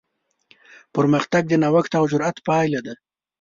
پرمختګ د نوښت او جرات پایله ده.